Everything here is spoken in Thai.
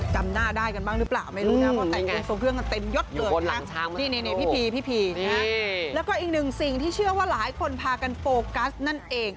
จำหน้าได้กันบ้างหรือเปล่าไม่รู้นะ